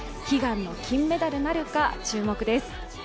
悲願の金メダルなるか注目です。